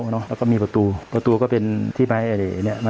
เนี่ยค่ะ